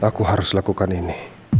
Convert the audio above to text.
aku harus lakukan ini